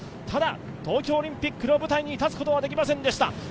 ただ、東京オリンピックの舞台に立つことはできませんでした。